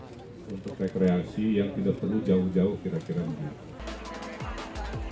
untuk rekreasi yang tidak perlu jauh jauh kira kira begitu